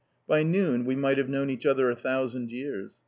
By noon, we might have known each other a thousand years.